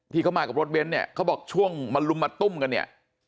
ที่เขามากับรถเบนท์เนี่ยเขาบอกช่วงมาลุมมาตุ้มกันเนี่ย